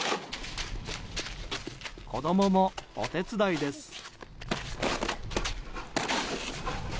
子供もお手伝いです。